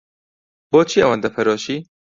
بۆچی ئەوەندە پەرۆشی؟